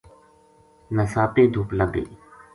نساپے دُھپ لگ گئی